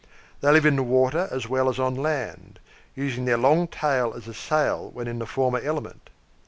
They live in the water as well as on land, using their long tail as a sail when in the former element.